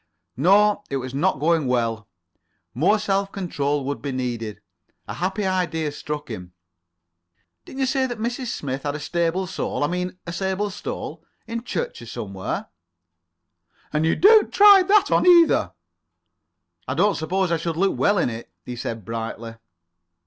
No, it was not going well. More self control would be needed. A happy idea struck him. "Didn't you say that Mrs. Smith had a stable sole—I mean, a sable stole, in church or somewhere?" "And you don't try that on either." "I don't suppose I should look well in it," he said brightly.